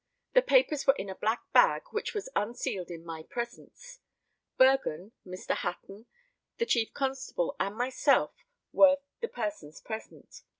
The papers were in a black bag, which was unsealed in my presence. Bergen, Mr. Hatton, the chief constable, and myself were the persons present.